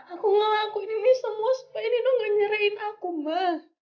aku ngelakuin ini semua supaya nino gak nyerahin aku ma